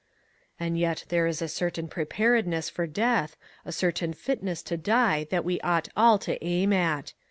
"And yet there is a certain preparedness for death, a certain fitness to die that we ought all to aim at.